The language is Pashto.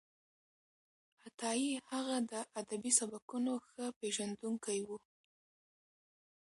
عطايي هغه د ادبي سبکونو ښه پېژندونکی و.